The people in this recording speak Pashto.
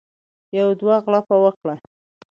یو دوه غړپه وکړي.